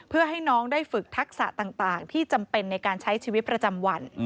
เพื่อให้น้องได้ฝึกทักษะต่างที่จำเป็นในการใช้ชีวิตประจำวัน